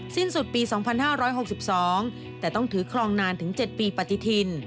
สิ้นสุดปี๒๕๖๒แต่ต้องถือครองนานถึง๗ปีปฏิทิน